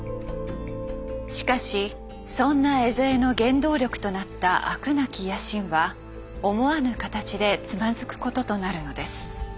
しかしそんな江副の原動力となった飽くなき野心は思わぬ形でつまずくこととなるのです。